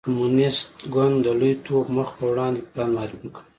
کمونېست ګوند د لوی ټوپ مخ په وړاندې پلان معرفي کړ.